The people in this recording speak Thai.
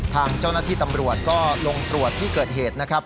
ทางเจ้าหน้าที่ตำรวจก็ลงตรวจที่เกิดเหตุนะครับ